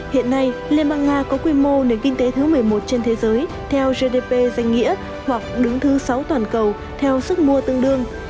hiện nay liên bang nga có quy mô nền kinh tế thứ một mươi một trên thế giới theo gdp danh nghĩa hoặc đứng thứ sáu toàn cầu theo sức mua tương đương